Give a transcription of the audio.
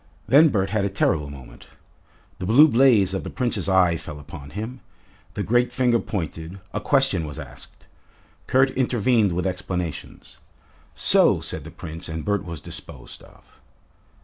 Then Bert had a terrible moment. The blue blaze of the Prince's eye fell upon him, the great finger pointed, a question was asked. Kurt intervened with explanations. "So," said the Prince, and Bert was disposed of.